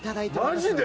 マジで？